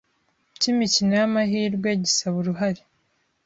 cy imikino y amahirwe gisaba uruhare